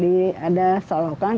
di ada solokang